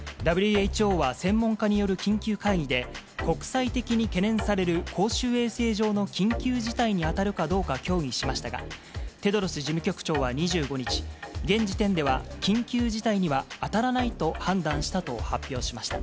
ＷＨＯは専門家による緊急会議で、国際的に懸念される公衆衛生上の緊急事態に当たるかどうか協議しましたが、テドロス事務局長は２５日、現時点では、緊急事態には当たらないと判断したと発表しました。